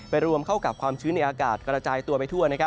รวมเข้ากับความชื้นในอากาศกระจายตัวไปทั่ว